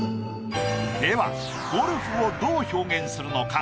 ではゴルフをどう表現するのか？